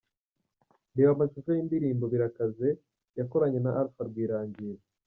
Reba amashusho y’indirimbo ‘Birakaze’ yakoranye na Alpha Rwirangira.